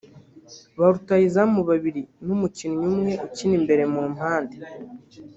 ba rutahizamu babiri n’umukinnyi umwe ukina imbere mu mpande